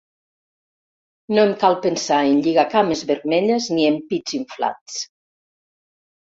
No em cal pensar en lligacames vermelles ni en pits inflats.